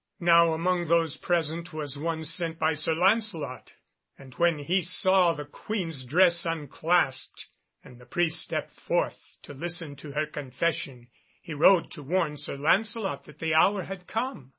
Now among those present was one sent by Sir Lancelot, and when he saw the Queen's dress unclasped, and the priest step forth to listen to her confession, he rode to warn Sir Lancelot that the hour had come.